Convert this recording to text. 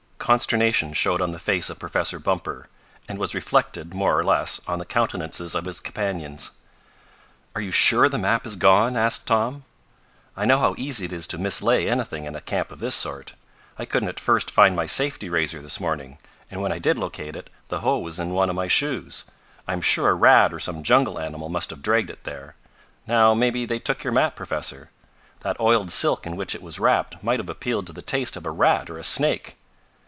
Consternation showed on the face of Professor Bumper, and was reflected, more or less, on the countenances of his companions. "Are you sure the map is gone?" asked Tom. "I know how easy it is to mislay anything in a camp of this sort. I couldn't at first find my safety razor this morning, and when I did locate it the hoe was in one of my shoes. I'm sure a rat or some jungle animal must have dragged it there. Now maybe they took your map, Professor. That oiled silk in which it was wrapped might have appealed to the taste of a rat or a snake."